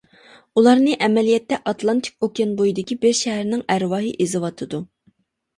ئۇلارنى ئەمەلىيەتتە ئاتلانتىك ئوكيان بويىدىكى بىر شەھەرنىڭ ئەرۋاھى ئېزىۋاتىدۇ.